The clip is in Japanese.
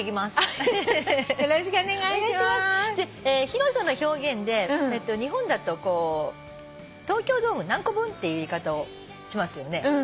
「広さの表現」で日本だと「東京ドーム何個分」っていう言い方をしますよね。